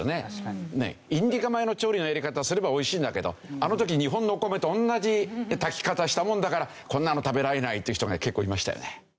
インディカ米の調理のやり方をすればおいしいんだけどあの時日本のお米と同じ炊き方したもんだからこんなの食べられないっていう人が結構いましたよね。